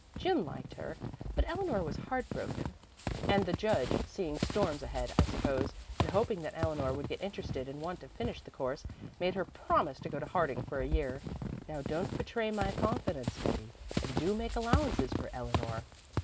Jim liked her, but Eleanor was heart broken, and the judge, seeing storms ahead, I suppose, and hoping that Eleanor would get interested and want to finish the course, made her promise to go to Harding for a year. Now don't betray my confidence, Betty, and do make allowances for Eleanor.